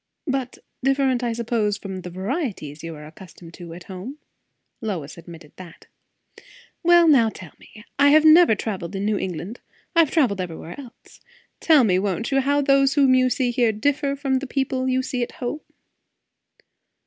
"But different, I suppose, from the varieties you are accustomed to at home?" Lois admitted that. "Well, now tell me how. I have never travelled in New England; I have travelled everywhere else. Tell me, won't you, how those whom you see here differ from the people you see at home."